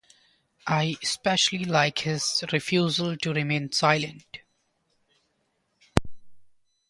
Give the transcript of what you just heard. I especially like his refusal to remain silent.